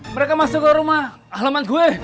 mereka masuk ke rumah halaman gue